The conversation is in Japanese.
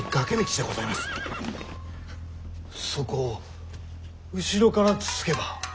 そこを後ろからつつけば。